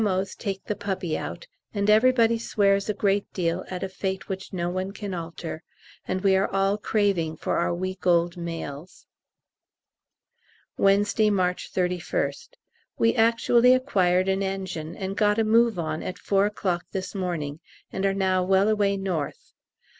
O.'s take the puppy out, and everybody swears a great deal at a fate which no one can alter, and we are all craving for our week old mails. Wednesday, March 31st. We actually acquired an engine and got a move on at 4 o'clock this morning, and are now well away north.